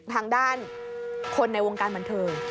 ทางด้านคนในวงการบันเทิง